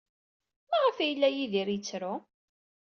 Maɣef ay yella Yidir yettru?